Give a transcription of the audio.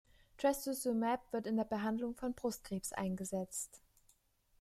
Trastuzumab wird in der Behandlung von Brustkrebs eingesetzt.